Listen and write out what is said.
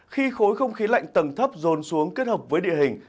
khi khối không khí lạnh tầng thấp dồn xuống kết hợp với địa hình